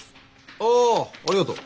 あありがとう。